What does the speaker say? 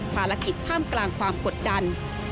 ภารกิจท่ามกลางความกดดัน